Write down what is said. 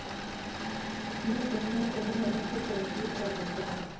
Sin embargo, tenía mucho que decir sobre el tema.